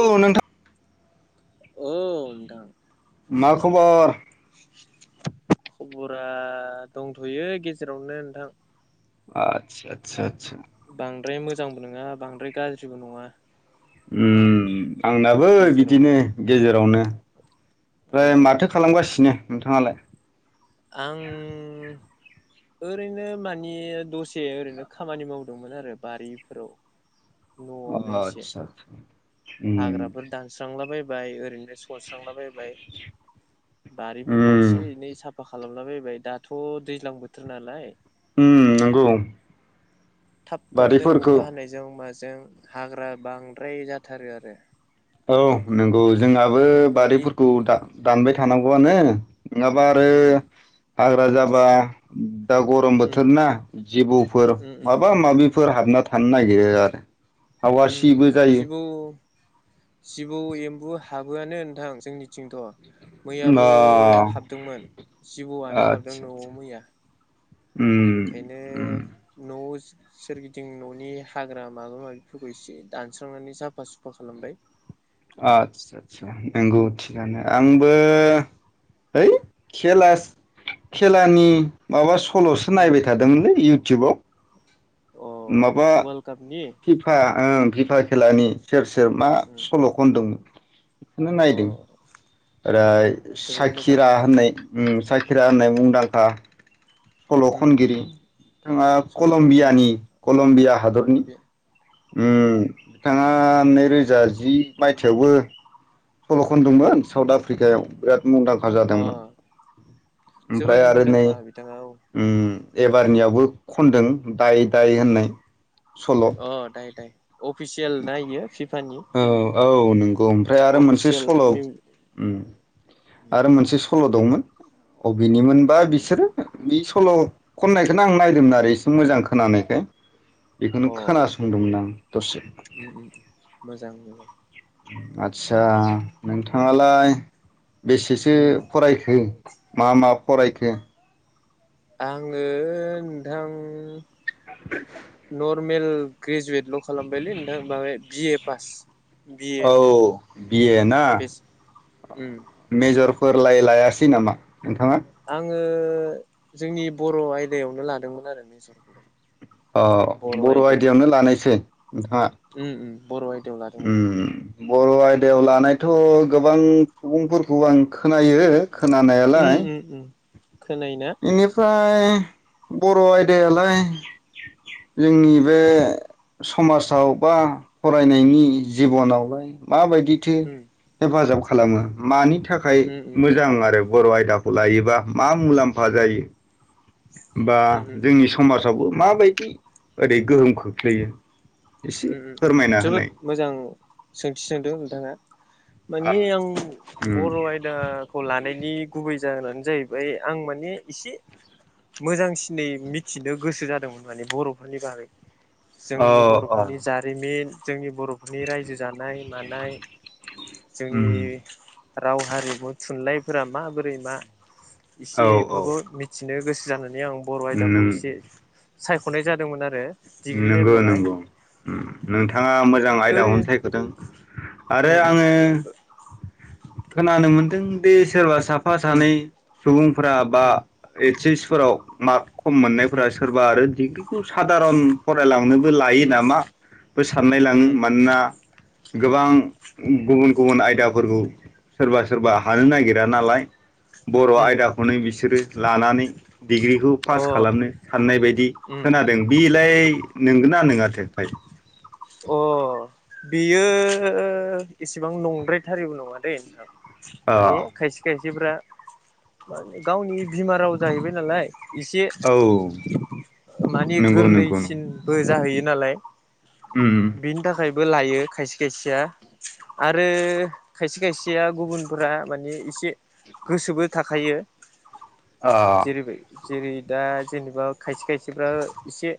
औ नोंथां अ नोथां मा खबर खबरा दंथयो गेजेरावनो नोंथां आतसा आसा आसा बांद्राय मोजांबो नङा बांद्राय गाज्रिबो नङा उ आंनाबो गेजेरावनो बिदिनो गेजेरावनो [inaudible] अ फ्राय माथो खालामगासिनो नोंथांङालाय आं ओरैनो मानि दसे ओरैनो खामानि मावदोंमोन आरो बारिफोराव अ न'आवनो एसे आतसा उम बाय ओरैनो सस्रांलाबायबाय बारिफोरखौ उम एसे एनै साफा खालाम [unintelligible] बायबाय दाथ' दैज्लां बोथोर नालाय उम नंगौ थाब थाबनो बारिफोरखौ अखा हानायजों माज जों हाग्रा बांद्राय जाथारो आरो औ नोंगौ जोंहाबो न'नि बारिफोरखौ दा दानबाय थानांगौआनो नङाबा आरो उम हाग्रा जाबा दा गरम उम बोथोर ना जिबौफोर उम उम माबा माबिफोर हाबना थानो नागिरो आरो उम हावासिबो जायो जिबौ जिबौ एम्बु हा थाबोआनो नोंथां जोंनिथिंथ' अ मैयाबो हाबदोंमोन जिबौआनो हाबदों आदसा न'आव आदसा मैया उम ओंखायनो उम न'ज सोरगिदिं ननि हाग्रा माबा माबिफोरखौ एसे दानस्रांनानै साफा सुफा खालामबाय आत सा सा नोंगौ थिगानो उम आंबो है खेलास खेलानि माबा स फल'सो नायबाय थादोंमोनलै इउ [unintelligible] अ माबा वर्ल्ड कापनि खिफा ओं जिफा खेलानि सेर सेर मा उम सल' खनदोंमोन? अ ओ उम जोबोद मोजां साखिरा होननाय साखिरा होननाय मुंदांखा सल' उम खनगिरि बिथाङा सल' खनगिरि अ कलम्बियानि कलम्बिया हादरनि कलम्बिया उम बिथाङा नैरोज जा जि मायथाइयावबो सल'खन उम दोंमोन साउथ आफ्रिकायाव बे [inaudible] मुंदांखा अ जादोंमोन जोबोद ओमफ्राय आरो नै मुंदांखा बिथाङा औ उम एबारनियावबो खनदों दाय दाय होननाय सल' औ अ दायो दायो अफिसियेल नायो फिफ औ औ नों गौ ओमफ्राय आरो मोनसे अफिसियेल सल' निउ उम आरो मोनसे सल' दंमोन बबेनिमोनबा बिसोरो बे सल' खननायखोनो आं नायदोंमोन आरो एसे मोजां खोनानायखाय बेखौनो अ खोनासंदोंमोन आं दसे [unintelligible] आतसा नोंथा हाङालाय। बेसेसो फरायखो मा मा फरायखो आंनो नोंथां नर्म मेल! ग्रेजुवेटल' खालामबायलै नोंथां माबाय बिए पास बिए औ बियो ना उम मेजरफोरलाय लायासै नामा नोंथाङा ङो जोंनि बर' आयदायावनो लादोंमोन आरो मेजरखौलाय अ! बर' आयदायावनो लानायसै नोंथाङा। उम उम बर' आय उम बर' आयदायाव लानायथ' गोबां सुबुंफोरखौ आं खोनायो उम खोनानायालाय। उम उम खोनायोना। बेनिफ्राय बर' आयदायालाय जोंनि बे समाजाव बा फरायनायनि जिबनावलाय माबायदि उम हेफाजाब। खालामो मानि था थाखाय उम उम उम मोजां आरो। बर' आयदाखौ लायोबा मा मुलाम्फा। फाजायो। बा उम उम जोंनि समाजावबो। माबायदि ओरै गोहोम खोख्लैयो? एसे फोरमायना जोबोद होनाय मोजां सोंथि सोंदों नोंथाङा। माने! आं, उम बर' आयदाखौ लानायनि गुबै जा- जाहोनानो जाहैबाय आं माने इसे मोजांसिनै मिथिनो गोसो जादोंमोन माने, बर'फोरनि बारै अ जोंनि बर'। अ नि जारिमिन जोंनि। बर'फोरनि रायजो जानाय मानाय जोंनि उम राव हारिमु थुनलाइफोरा माबोरै मा। औ इसे औ एफोरखौ मिथिनो गोस [unintelligible] आं बर' आयदाखौ नों एसे सायख'नाय जादोंमोन आरो। डिग्रि नोंगौ लेभेलावहाय नंगौ। उम नोंथाङा मोजां ओरै आयदाखौनो सायख'दों आरो उम उम आङो खोनानो मोनदों बे सोरबा साफा उम सानै सुबुंफ्रा बा उम एसे फोराव मा खम मोननायफोरा उम सोरबा आरो डिग्रिखौ सादारन। जालांनोबो लायो उम नामा बो साननाय लाङो उम मानोना गोबां बन [inaudible] गुबुन उम आयदाफोरखौ सोरबा सोरबा हानो नागिरा नालाय। बर' उम आयदाखौनो बिसोरो लानानै डिग्रिखौ पास अ खालामनो साननाय बायदि उम खोनादों, बिलाय नोंगोना नोङाथो फाय अ बेयो इसिबां नंद्रायथारिबो नङा दैे नोंथां। अ माने खायसे खायसे देब्रा मा ओनो गावनि बिमा राव जाहैबाय नालाय। एसे औ माने नंगौ नंगौ नंगौ गोरलैसिनबो जाहैयो नालाय। उम बेनि थाखाय बो लायो खायसे खायसेया आरो खायसे खायसेया गुबुनफोरा माने एसे गोसोबो थाखायो। अ जेरै बाय जेरै दा जेनेबा खायसे खायसेफ्रा इसे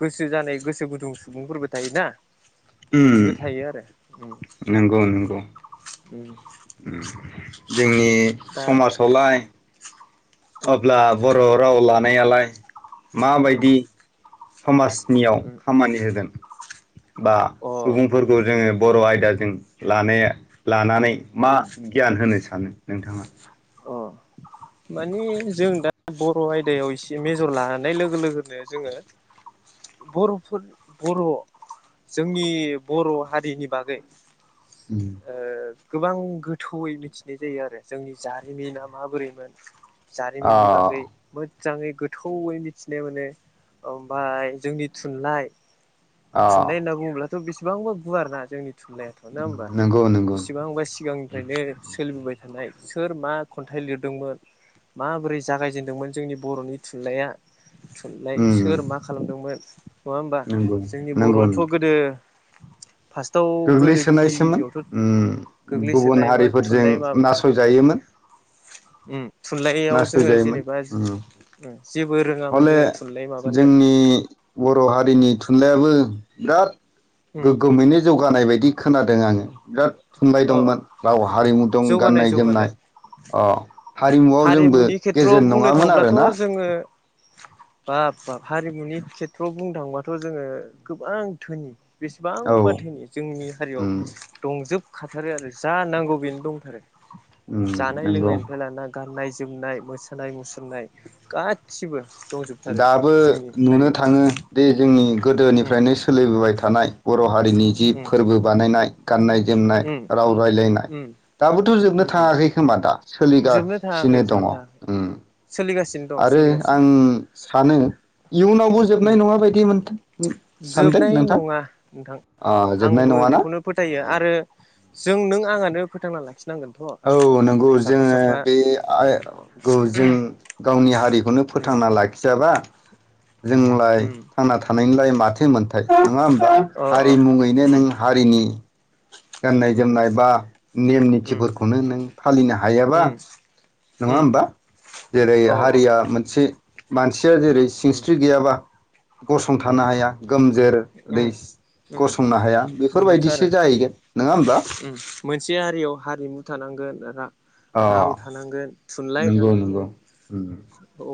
गोसो जानाय गोसो गुदुं सुबुंफोरबो थायोना उम बिदिबो थायो आरो उम नोंगौ नोंगौ। उम उम जोंनि दा समासावलाय। उम अब्ला ब र' राव लानायालाय उम माबायदि समाजनियाव उम उम खामानि होगोन। बा अ सुबुंफोरखौ जोङो। बर' आयदाजों लानाया लानानै मा उम गियान होनो सानो नोंथाङा अ माने जों दा बर' आयदायाव इसे मेजर लानाय लोगो लोगोनो जोङो बर'फोर बर' जोंनि बर' हारिनि बागै ओ गोबां गोथौयै मिथिनाय जायो आरो जोंनि जारिमिना माबोरैमोन। अ जारिमिननि बागै मोद जाङै गोथौयै मिथिनो माने ओमबाय जोंनि थुनलाइ अ थुनलाइ होनना बुङोब्ला त बेसेबांबा गुवार ना जोंनि थुनलायाथ' नङा होमबा नंगौ नंगौ बेसेबांबा सिगांनिफ्रायनो सोलिबोबाय थानाय। सोर मा खन्थाइ लिरदोंमोन माबोरै जागायजेनदोंमोन जोंनि बर'नि थुनलाइया। थुनलाइ सोर मा खालामदोंमोन। नङा होमबा नंगौ जोंनि नंगौ बर'आथ' गोदो फार्स्टआव गोदो गिबि गोग्लैसोनायसोमोन गिबियावथ' ओम गुबुन गोग्लैसोनायमोन हारिफोरजों नासयजायोमोन। ओम। थुनलाइयाव जोङो नासयजायोमोन जेनेबा ओं जेबो रोङामोन हले जोङो थुनलाइ माबानो। जोंनि बर' हारिनि थुनलाइआबो बिराद उम गोग्गोमैनो जौगानाय बायदि खोनादों आङो बिराद थुनलाइ अ अ दंमोन राव हारिमु दं जौगानाय गाननाय जोमनाय जौगानाय अ हारिमुआव जोंबो हारिमुनि खेथ्रआव गेजेन बुंनो नङामोन थांब्लाथ' आरोना जोङो बाब बाब हारिमुनि खेथ्रआव बुंनो थांबाथ' जोङो गोबां धोनि। औ बेसेबांबा धोनि जोंनि हारियाव उम जोबखाथारो आरो जा नांगौ बेनो दंथारो उम जानाय नंगौ लोंनायनिफ्राय लाना गाननाय जोमनाय मोसानाय मुसुरनाय गासिबो। दंजोबथारो दाबो जोंनि नुनो हारियाव थाङो दि जोंनि उम गोदोनिफ्रायनो सोलिबोबाय थानाय बर' हारिनि। जि उम फोरबो बानायना [unintelligible] गाननाय जोमनाय उम राव राय्लायनाय उम दाबो थ जोबनो उम उम थाङाखै खोमा दा जोबनो थाङाखै सोलिगासिनो दङ जोबनो थाङाखै ओम। सोलिगासिनो दं आरो सोलिगासिनो आं दं सानो इयुनावबो जोबनाय उम नङा बायदि मोन सानदों जोबनाय नोंथां नङा नोंथां आह जोबनाय आंबो नङाना बेखौनो फोथायो आह। आरो जों नों आंआनो फोथांना लाखि औ नंगौ जोङो बे आइ गौ जों गावनि हारिखौनो उम फोथांना लाखिजा [unintelligible] बा। जोंलाय उम थांना थानायनि लाय बाथो मोनथाय। नङा होमबा अ हारि मुङैनो उम नों हारिनि गाननाय उम जोमनाय बा नेम उम निथिफोरखौनो नों फालिनो हायाबा उम नङा उम होमबा जेरै अ हारिया मोनसे मानसिया जेरै उम सिंस्रि गैयाबा। गसंथानो उम हाया गोमजोरै उम उम गसंनो हाया बेफोरबायदिसो जाहैगोन नङा होमब्ला ओम मोनसे हारियाव हारिमु थानांगोन अ [unintelligible] राव थानांगोन। थुनलाइ नंगौ नंगौ। थानांगोन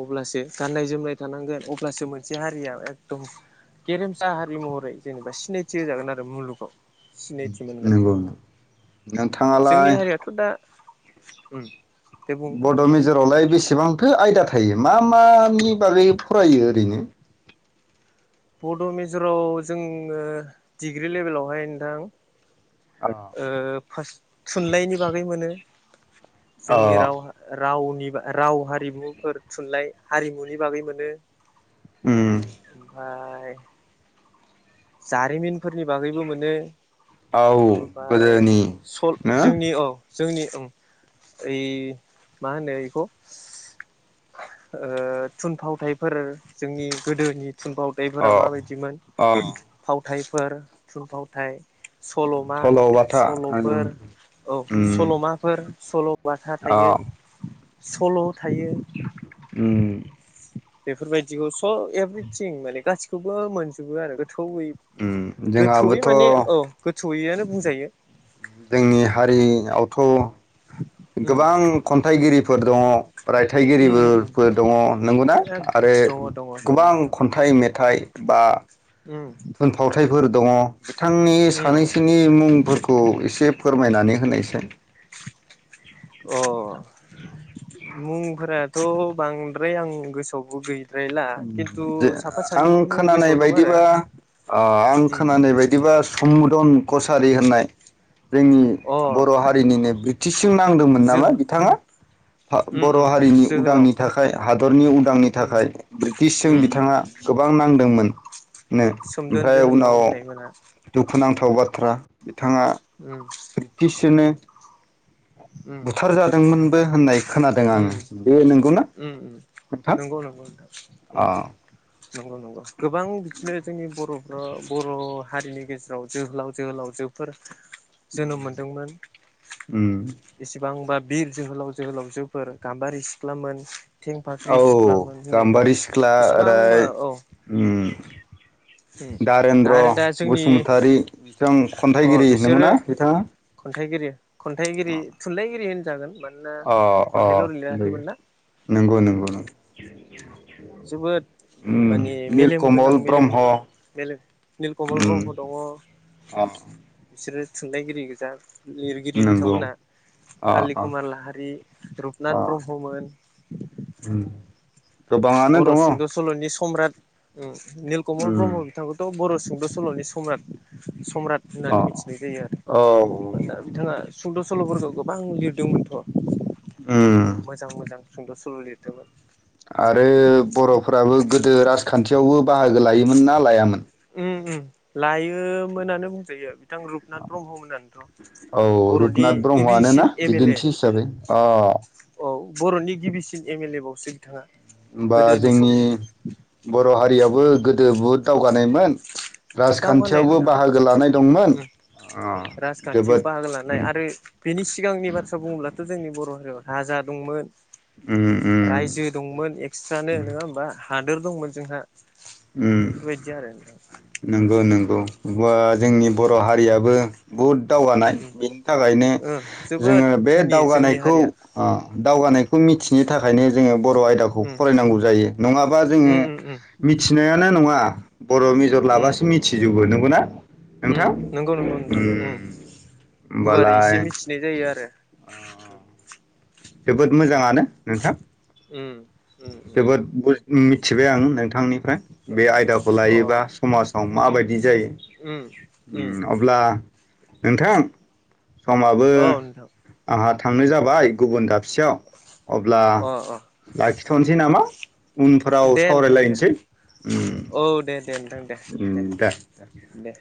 अब्लासो गाननाय-जोमनाय थानांगोन अब्लासो मोनसे हारिया एदम गेरेमसा हारि महरै जेनेबा सिनायथि होजागोन आरो मुलुगाव। सिनायथि मोनगोन नंगौ जोंनि नोंथाङालाय हारियाथ' दा उम। दे बुं बड' नोंथां मेज रावलाय बेसे एसेबांथो आयदा थायो, मा मानि बागै फरायो ओरैनो? बड' मेजराव जोङो डिग्रि लेभेलावहाय नोंथां। अ ओ फारस थुनलाइनि बागै मोनो। जोंनि हा राव रावनि राव हारिमुफोर थुनलाइ हारिमुनि बागै मोनो। ओम। ओमफ्राय। जारिमिनफोरनि बागैबो मोनो। औ ओमफ्राय गोदोनि सल नो जोंनि औ। जोंनि ओइ मा होनो बेखौ? थुनफावथायफोर जोंनि गोदोनि अ थुनफावथायफोरा माबायदिमोन? अ फावथायफोर थुनफावथाय सल'मा सल'बाथा सल'फोर उम औ सल'माफोर सल'बाथा अ थायो। सल' थायो। उम- बेफोरबायदिखौ। औ एभ्रिथिं माने गासै खौबो मोनजोबो आरो। गोथौै उम गोथौयै जोंहाबोथ' माने औ। सहैयोआनो बुंजायो। जोंनि हारियावथ' उम गोबां खन्थाइगिरि फोर दङ उम रायथाइगिरिबो उम उम फोर दङ नंगौना? दङ दङ आरो नोंथां गोबां उम खन्थाइ मेथाइ बा थुनफावथायफोर दङ। बिथांनि उम सानैसोनि मुंफोरखौ एसे फोरमायनानै होनायसाय। अ मुंफोराथ' बांद्राय आं गोसोआवबो गैला। आं मुं खोनानाय गोसोआव दं आरो बायदिबा आं उम खोनानाय बायदिबा सम जन कसारि होननाय जोंनि अ बर' हारिनिनो ब्रिटिशजों नांदोंमोन नामा जोहो बिथाङा फा उम बर' उम उम हारिनि जोहोलाव उदांनि थाखाय हादरनि उदांनि उम थाखाय। ब्रिटिशजों उम बिथाङा गोबां नांदोंमोन। सोमदोन ओमफ्राय जोहोलाव उनाव होननाय मोना दुखुनांथाव बाथ्रा बिथाङा उम ब्रिटिसनो उम बुथार जादोंमोनबो होननाय खोनादों आङो उम बे नंगौना उम उम नोंथां नंगौ नंगौ नोंथां उम अ नंगौ नंगौ गोबां बिदिनो जोंनि ब बर बर' हारिनि गेजेराव लाव जो लाव जोहोलावजोफोर जोनोम मोनदोंमोन उम इसेबांबा बिर जोहोलाव जोहोलावजोफोर गाम्बारि सिख्लामोन थें औ फाख्रि सिख्लामोन होननायफोरा गाम्बारि सिख्ला बेसेबांबा ओरै औ उम व्दारेन्द्र आरो दा जोंनि बसुमतारी बिथां अ खन्थाइगिरि नंगौ बिसोरो ना बिथाङा खन्थाइगिरि खन्थाइगिरि थुनलाइगिरि हो जागोन अ अ बुंजायो नंगौ उम नंगौ ओ जोबोद निलकमल ब्रह्म बेलेग निलकमल उम ब्रह्म दङ अ बिसोरो थुनलाइगिरि गोजा लिरगिरि नंगौ बिथांमोनहा अ कालि अ कुमार लाहारि, अ रुपनाथ ब्रह्ममोन उम गोबाङानो दङ। स्रमब्राथ निल कमल उम ब्रह्म बिथांखौथ' बर' सुंद' सल'नि सम्राट सम्राट अ होननानै मिथिनाय जायो औ आरो दा बिथाङा सुंद' सल'फोरखौ गोबां लिरदोंमोनथ'। उम मोजां मोजां सुंद' सल' लिरदोंमोन आरो बिथांमोना बर'फोराबो गोदो राजखान्थियावबो बाहागो लायो मोन ना लायामोन? उम उ लायोमोनानो बुंजायो। बिथां रुपनाथ ब्रह्म मोनानोथ' औ बर'नि रुपनाथ ब्रह्मआनो ना गिबिसिन एम एल ए बिदिन्थि हिसाबै अ औ बर'नि गिबिसिन एम एल ए बावसो बिथाङा बा गोदोनि जोंनि समनि बर' हारियाबो गोद जोबोत दावगानायमोन। दावगानाय राजखान्थियावबो नोंथां बाहागो लानाय दंमोन उ अ राजखान्थियाव जोबोद बाहागो लानाय उम आरो बेनि सिगांनि बाथ्रा बुङोब्लाथ' जोंनि बर' हारि [unintelligible] भाजा दंमोन। उम रायजो उम दंमोन एक्सट्रानो नङा होमबा हा दोर दंमोन जोंहा उम बेफोरबायदि आरो नोंथां नंगौ नंगौ गुवा उम जोंनि उम बर' हारियाबो बो बुद दावगानाय उम बेनि थाखायनो ओ जोबोद जोङो बे धोनि जोंनि दावगानायखौ हारिया ओ दावगानायखौ मिथिनो थाखायनो जोङो बर' आयदाखौ उम फरायनांगौ जायो नङाबा जोङो उम उम उम मिथिनायानो नङा। बर' मेजर लाबासो मिथिजोबो नों [unintelligible] ना उ नंगौ नंगौ नोंथां उ गुवारै एसे मिथिनाय जायो आरो जोबोद मोजाङानो नोंथां उम उम उम जोबोद बुज उ मिथिबाय आं नोंथांनि फ्राय बे आयदाखौ अ लायोबा समाजाव माबायदि जायो उम उम उ अब्ला नोंथां समाबो औ नोंथां आंहा थांनाय जाबाय गुबुन दाब [unintelligible] याव अब्ला अ अ लाखि थनोसै नामा? उनफोराव दे नोंथां दे सावरायलायनोसै उम औ दे दे नोंथां दे दे दे